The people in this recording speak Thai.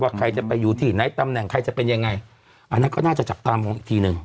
ใครจะไปอยู่ที่ไหนตำแหน่งใครจะเป็นยังไงอันนั้นก็น่าจะจับตามองอีกทีหนึ่ง